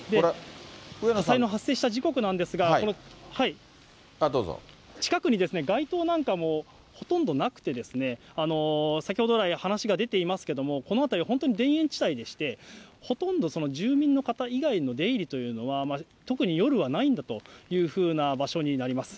火災の発生した時刻なんですが、近くに外灯なんかもほとんどなくて、先ほど来、話が出ていますけれども、この辺りは本当に田園地帯でして、ほとんど住民の方以外の出入りというのは、特に夜はないんだというふうな場所になります。